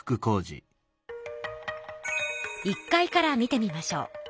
１階から見てみましょう。